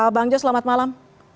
bang jo selamat malam